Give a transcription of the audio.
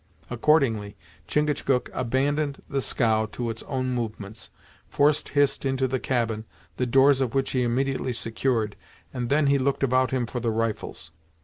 Accordingly, Chingachgook abandoned the scow to its own movements, forced Hist into the cabin, the doors of which he immediately secured, and then he looked about him for the rifles.